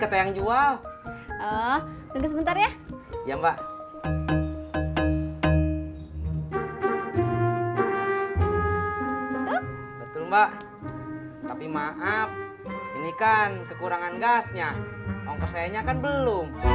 kata yang jual oh tunggu sebentar ya iya mbak betul mbak tapi maaf ini kan kekurangan gasnya ongkosanya kan belum